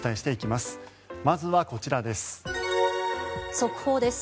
まずはこちらです。